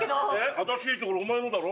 「私いい」ってお前のだろ。